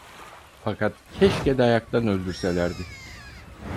Fakat keşke dayaktan öldürselerdi!